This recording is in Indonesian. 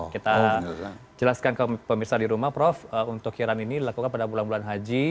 kita jelaskan ke pemirsa di rumah prof untuk kiram ini dilakukan pada bulan bulan haji